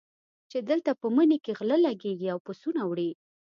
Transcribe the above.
چې دلته په مني کې غله لګېږي او پسونه وړي.